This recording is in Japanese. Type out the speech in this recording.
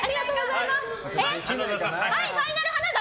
ファイナル花澤？